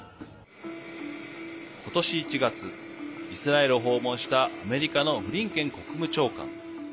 今年１月、イスラエルを訪問したアメリカのブリンケン国務長官。